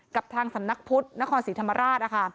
กับทางสำนักพุทธนครศรีธรรมราช